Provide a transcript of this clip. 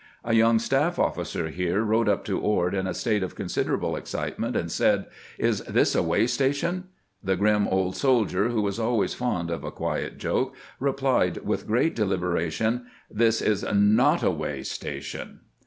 A young staff officer here rode up to Ord in a state of considerable excitement, and said :" Is this a way station ?" The grim old soldier, who was always fond of a quiet joke, replied with great deliberation : "This is Nott a way Station."